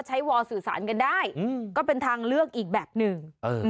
วอลสื่อสารกันได้ก็เป็นทางเลือกอีกแบบหนึ่ง